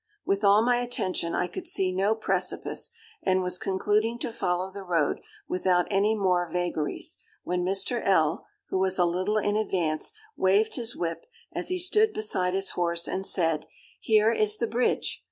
With all my attention, I could see no precipice, and was concluding to follow the road without any more vagaries, when Mr. L——, who was a little in advance, waived his whip, as he stood beside his horse, and said, 'Here is the bridge!